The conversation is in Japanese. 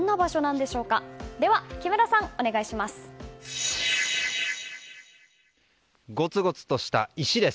では、木村さんお願いします。